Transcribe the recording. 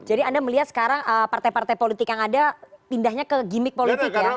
jadi anda melihat sekarang partai partai politik yang ada pindahnya ke gimmick politik ya